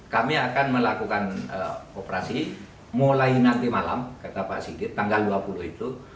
kami akan melakukan operasi mulai nanti malam kata pak sigit tanggal dua puluh itu